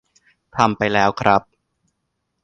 ทำไปแล้วครับ